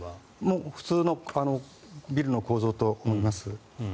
普通のビルの構造と思います。